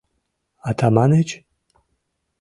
— Атаманыч?!